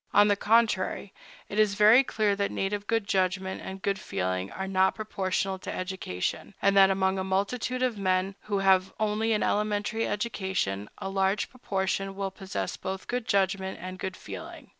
On the contrary, it is very clear that native good judgment and good feeling are not proportional to education, and that among a multitude of men who have only an elementary education, a large proportion will possess both good judgment and good feeling.